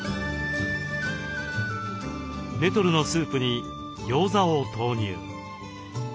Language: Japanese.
ネトルのスープにギョーザを投入。